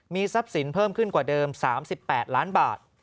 ทรัพย์สินเพิ่มขึ้นกว่าเดิม๓๘ล้านบาท